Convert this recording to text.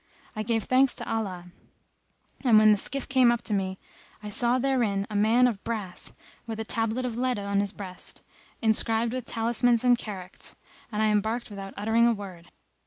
I gave thanks to Allah; and, when the skiff came up to me, I saw therein a man of brass with a tablet of lead on his breast inscribed with talismans and characts; and I embarked without uttering a word.